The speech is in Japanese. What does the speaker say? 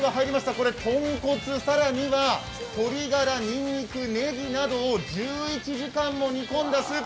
これ豚骨さらには鶏ガラ、にんにくねぎなどを１１時間も煮込んだスープ。